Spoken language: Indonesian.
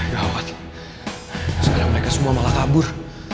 gawat sekarang mereka semua malah kabur